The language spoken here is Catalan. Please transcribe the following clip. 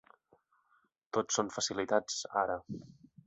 Tot són facilitats, ara.